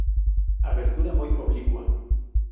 Abertura muy oblicua.